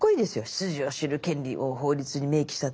出自を知る権利を法律に明記したって。